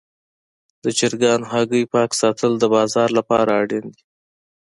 د چرګانو هګۍ پاک ساتل د بازار لپاره اړین دي.